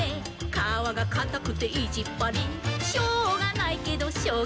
「かわがかたくていじっぱり」「しょうがないけどショウガある」